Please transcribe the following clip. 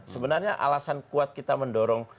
sebenarnya alasan kuat kita mendorong